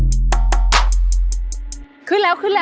ขอบคุณมากค่ะ